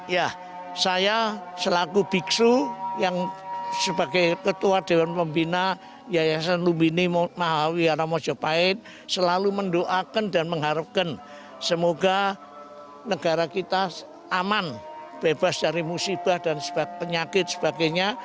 ya saya selaku biksu yang sebagai ketua dewan pembina yayasan lumini mahawiaramojapahit selalu mendoakan dan mengharapkan semoga negara kita aman bebas dari musibah dan sebab penyakit sebagainya